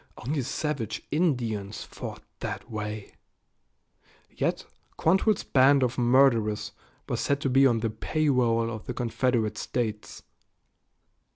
Only savage Indians fought that way. Yet Quantrell's band of murderers was said to be on the payroll of the Confederate States.